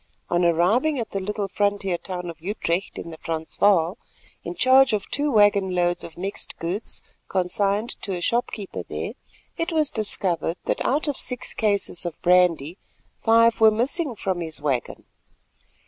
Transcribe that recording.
On arriving at the little frontier town of Utrecht in the Transvaal, in charge of two waggon loads of mixed goods consigned to a storekeeper there, it was discovered that out of six cases of brandy five were missing from his waggon.